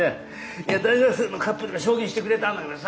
いや大学生のカップルが証言してくれたんだけどさ